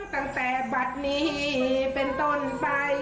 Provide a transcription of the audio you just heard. ตั้งแต่บัตรนี้เป็นต้นไป